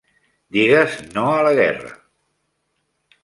Digues No A la Guerra!